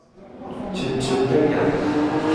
咄咄逼人